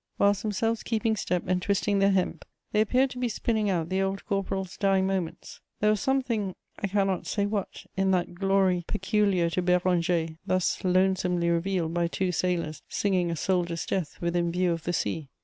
Whilst themselves keeping step and twisting their hemp, they appeared to be spinning out the old corporal's dying moments: there was something, I cannot say what, in that glory peculiar to Béranger, thus lonesomely revealed by two sailors singing a soldier's death within view of the sea.